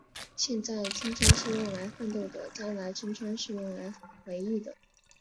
现在，青春是用来奋斗的；将来，青春是用来回忆的。